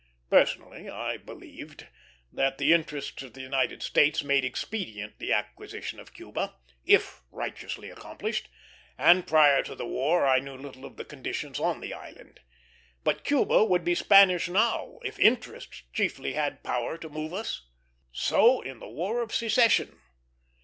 Personally, I believed that the interests of the United States made expedient the acquisition of Cuba, if righteously accomplished, and prior to the war I knew little of the conditions on the island; but Cuba would be Spanish now, if interests chiefly had power to move us. So in the War of Secession.